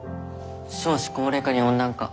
少子高齢化に温暖化。